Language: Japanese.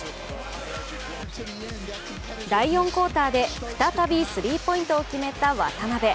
第４クオーターで再びスリーポイントを決めた渡邊。